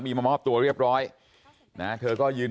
บอกแล้วบอกแล้วบอกแล้วบอกแล้ว